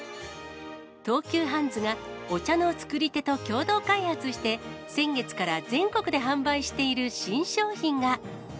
東急ハンズが、お茶の作り手と共同開発して、先月から全国で販売している新商品が。